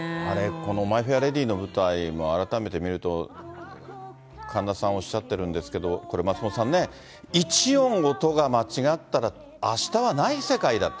このマイ・フェア・レディの舞台も改めて見ると、神田さんおっしゃってるんですけど、これ、松本さんね、１音、音が間違ったら、あしたはない世界だと。